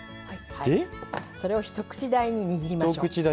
それを一口大ににぎりましょう。